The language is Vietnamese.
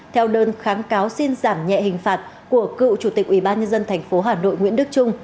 theo đơn kháng cáo xin giảm nhẹ hình phạt của cựu chủ tịch ủy ban nhân dân tp hà nội nguyễn đức trung